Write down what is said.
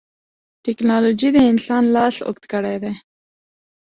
ټکنالوجي د انسان لاس اوږد کړی دی.